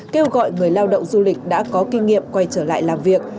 kêu gọi người lao động du lịch đã có kinh nghiệm quay trở lại làm việc